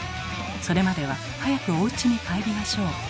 それまでは早くおうちに帰りましょう。